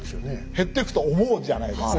減ってくと思うじゃないですか。